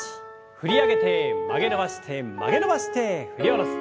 振り上げて曲げ伸ばして曲げ伸ばして振り下ろす。